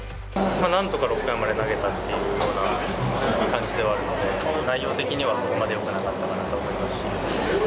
なんとか６回まで投げたっていうような感じではあるので、たぶん内容的にはそこまでよくなかったかなと思いますし。